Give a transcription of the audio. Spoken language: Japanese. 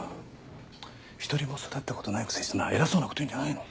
１人も育てたことないくせしてな偉そうなこと言うんじゃないの。